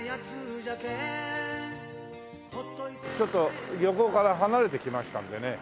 ちょっと漁港から離れてきましたのでね